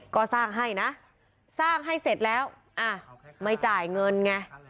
ก็สร้างให้นะสร้างให้เสร็จแล้วอ่ะไม่จ่ายเงินไง